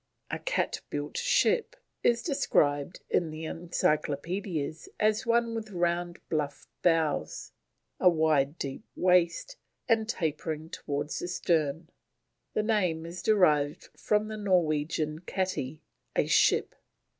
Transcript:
A cat built ship is described in the Encyclopaedias as one with round bluff bows, a wide deep waist, and tapering towards the stern. The name is derived from the Norwegian kati, a ship.